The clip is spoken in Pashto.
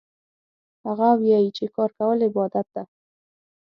هغه وایي چې کار کول عبادت ده